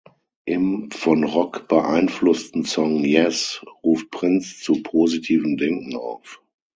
Im von Rock beeinflussten Song "Yes" ruft Prince zu positivem Denken auf.